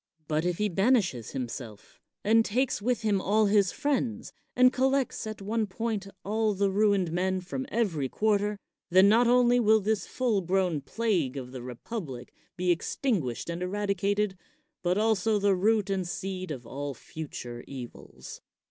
But if he banishes himself, and takes with him all his friends, and collects at one point all the ruined men from every quarter, then not only will this full grown plague of the republic be extinguished and eradicated, but also the root and seed of all future evils.